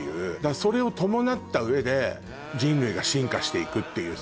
それを伴った上で人類が進化していくっていうさ。